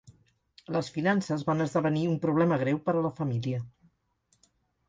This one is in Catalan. Les finances van esdevenir un problema greu per a la família.